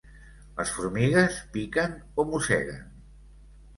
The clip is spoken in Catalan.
Les formigues piquen o mosseguen?